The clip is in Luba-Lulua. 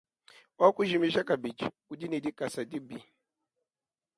Wakujimija kabidi udi ne dikasa dibi.